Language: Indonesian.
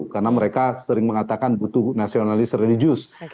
karena mereka sering mengatakan butuh nasionalis religius